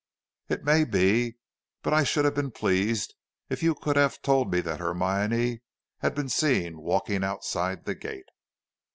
"It may be; but I should have been pleased if you could have told me that Hermione had been seen walking outside the gate."